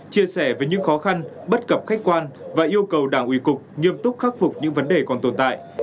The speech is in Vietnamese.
chia sẻ về những khó khăn bất cập khách quan và yêu cầu đảng ủy cục nghiêm túc khắc phục những vấn đề còn tồn tại